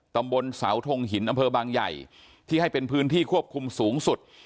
ตำบลเสาทงหินอำเภอบางใหญ่ที่ให้เป็นพื้นที่ควบคุมสูงสุด